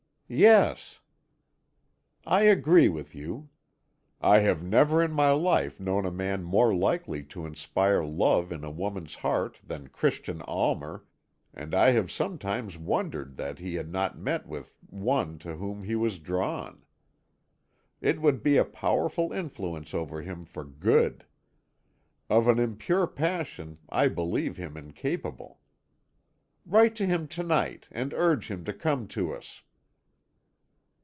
"Yes." "I agree with you. I have never in my life known a man more likely to inspire love in a woman's heart than Christian Almer, and I have sometimes wondered that he had not met with one to whom he was drawn; it would be a powerful influence over him for good. Of an impure passion I believe him incapable. Write to him to night, and urge him to come to us."